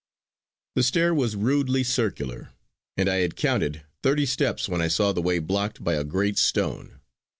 The stair was rudely circular, and I had counted thirty steps when I saw the way blocked by a great stone.